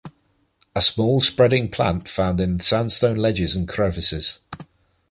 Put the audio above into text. A small spreading plant found in sandstone ledges and crevices.